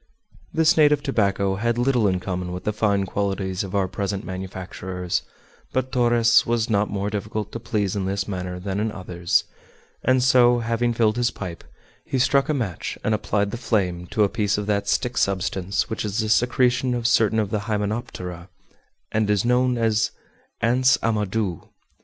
This native tobacco had little in common with the fine qualities of our present manufacturers; but Torres was not more difficult to please in this matter than in others, and so, having filled his pipe, he struck a match and applied the flame to a piece of that stick substance which is the secretion of certain of the hymenoptera, and is known as "ants' amadou."